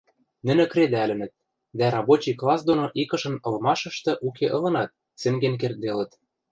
Нӹнӹ кредӓлӹнӹт, дӓ рабочий класс доно икышын ылмашышты уке ылынат, сӹнген кердделыт.